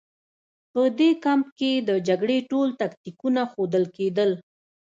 په دې کمپ کې د جګړې ټول تکتیکونه ښودل کېدل